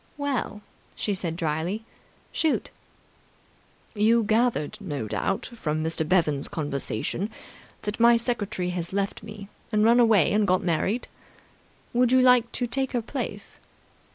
"Well?" she said dryly. "Shoot." "You gathered, no doubt, from Mr. Bevan's conversation, that my secretary has left me and run away and got married? Would you like to take her place?"